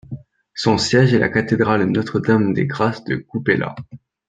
Son siège est la Cathédrale Notre-Dame-des-Grâces de Koupéla.